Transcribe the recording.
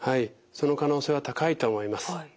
その可能性は高いと思います。